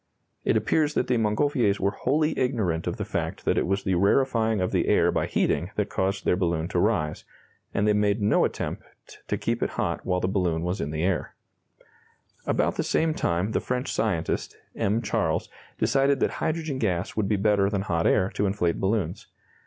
It appears that the Montgolfiers were wholly ignorant of the fact that it was the rarefying of the air by heating that caused their balloon to rise, and they made no attempt to keep it hot while the balloon was in the air. [Illustration: An early Montgolfier balloon.] About the same time the French scientist, M. Charles, decided that hydrogen gas would be better than hot air to inflate balloons.